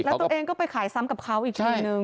แล้วตัวเองก็ไปขายซ้ำกับเขาอีกทีนึง